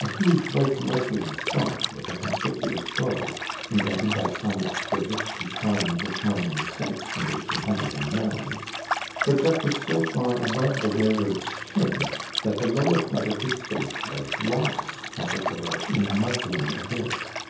A huge white muslin stock with a conspicuous bow, invented by some exquisite to charm "the charming sex" in 1809, projected so far above the wearer's chin that the lower part of his face was lost, as it were, in a muslin abyss.